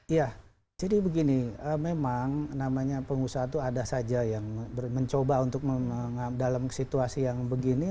iya jadi begini memang namanya pengusaha itu ada saja yang mencoba untuk dalam situasi yang begini